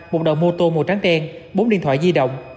một đầu mô tô màu trắng đen bốn điện thoại di động